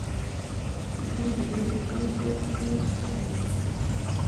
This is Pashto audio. دوی د ډېرو خلکو خیر په نظر کې ساتي.